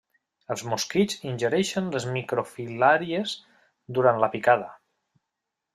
Els mosquits ingereixen les microfilàries durant la picada.